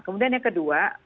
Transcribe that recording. kemudian yang kedua